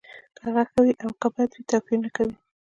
که هغه ښه وي او که بد وي توپیر نه کوي